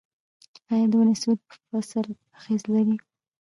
آیا د ونو سیوری په فصل اغیز لري؟